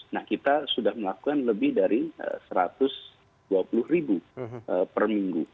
nah kita sudah melakukan lebih dari satu ratus dua puluh ribu per minggu